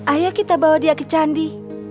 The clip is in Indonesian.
ayo kita bawa dia ke candi